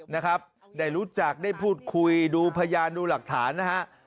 นะครับได้รู้จักได้พูดคุยดูพยานดูหลักฐานนะฮะ